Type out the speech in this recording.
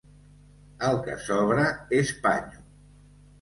El que sobra és panyo.